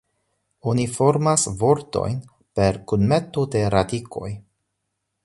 Oni formas vortojn per kunmeto de radikoj.